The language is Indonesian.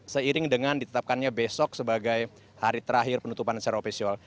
seiring dengan ditetapkannya besok sebagai hari terakhir penutupan secara ofisial